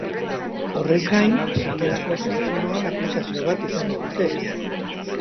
Horrez gain, sakelako telefonoan aplikazio bat izango dute.